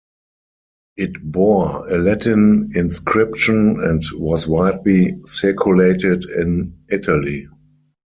It bore a Latin inscription and was widely circulated in Italy.